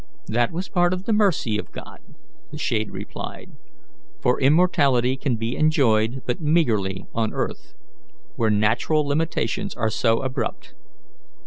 "That was part of the mercy of God," the shade replied; "for immortality could be enjoyed but meagrely on earth, where natural limitations are so abrupt.